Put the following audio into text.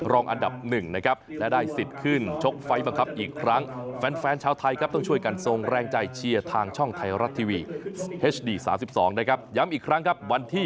เรียนเชิญครับ